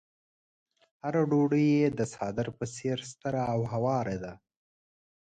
هره ډوډۍ يې د څادر په څېر ستره او هواره ده.